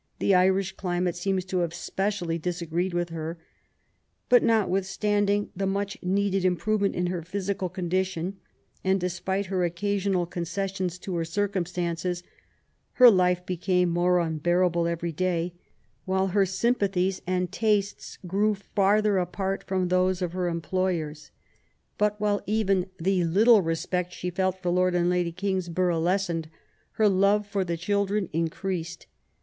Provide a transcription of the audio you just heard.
The Irish climate seems to have specially disagreed with her. But notwith standing the much needed improvement in her physical condition, and despite her occasional concessions to her circumstances, her life became more unbearable every day, while her sympathies and tastes grew farther apart from those of her employers. LIFE A8 GOVERNESS. 63 But while even the little respect she felt for Lord and Lady Kingsborough lessened, her love for the children increased.